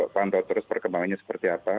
pantau terus perkembangannya seperti apa